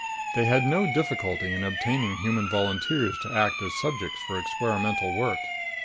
They had no difficulty in obtaining human volunteers to act as subjects for experimental work.